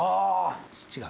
違う？